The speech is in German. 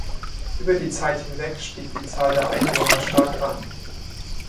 Über die Zeit hinweg stieg die Zahl der Einwohner stark an.